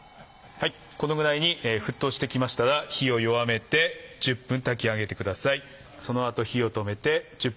このぐらいに沸騰してきましたら火を弱めて１０分炊き上げてください。